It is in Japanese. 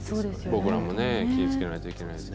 僕らもね、気ぃつけないといけないですね。